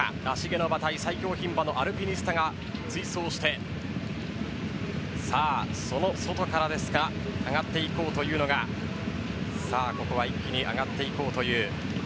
芦毛の馬体最強牝馬のアルピニスタが追走してその外からですが上がっていこうというのがここは一気に上がっていこうという。